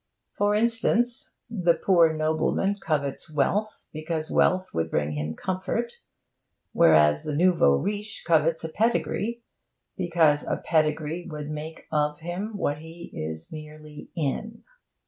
For instance, the poor nobleman covets wealth, because wealth would bring him comfort, whereas the nouveau riche covets a pedigree, because a pedigree would make him of what he is merely in.